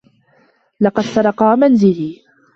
لقد سرقا منزلي.